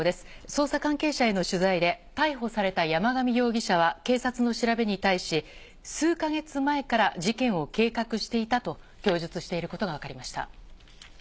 捜査関係者への取材で、逮捕された山上容疑者は、警察の調べに対し、数か月前から事件を計画していたと供述していることが分かりました。